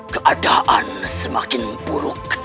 keadaan semakin buruk